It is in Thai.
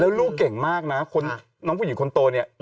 แล้วลูกเก่งมากนะคนน้องผู้หญิงคนโตเนี่ย